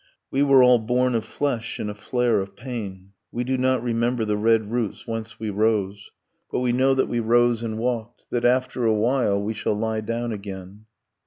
We were all born of flesh, in a flare of pain, We do not remember the red roots whence we rose, But we know that we rose and walked, that after a while We shall lie down again.